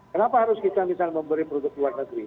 kenapa harus kita misalnya memberi produk luar negeri